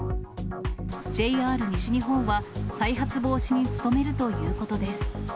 ＪＲ西日本は、再発防止に努めるということです。